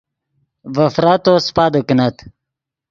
ڤے فراتو سیپادے کینت